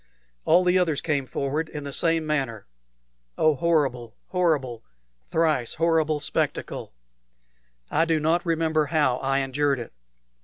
All the others came forward in the same manner. Oh, horrible, horrible, thrice horrible spectacle! I do not remember how I endured it.